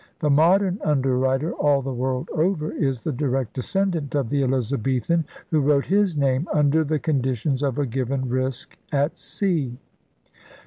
The modern 'underwriter,' all the world over, is the direct descendant of the Elizabethan who wrote his name under the con ditions of a given risk at sea.